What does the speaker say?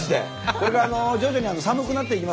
これから徐々に寒くなっていきますのでね